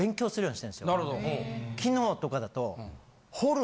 昨日とかだと。